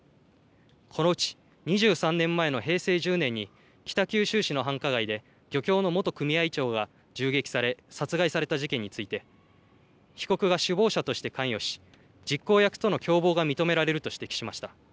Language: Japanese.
このうち２３年前の平成１０年に北九州市の繁華街で漁協の元組合長が銃撃され殺害された事件について被告が首謀者として関与し実行役との共謀が認められると指摘しました。